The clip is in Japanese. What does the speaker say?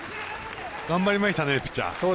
頑張りましたねピッチャー。